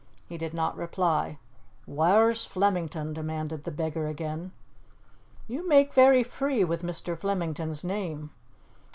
He did not reply. "Whaur's Flemington?" demanded the beggar again. "You make very free with Mr. Flemington's name."